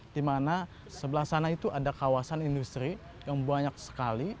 di mana sebelah sana itu ada kawasan industri yang banyak sekali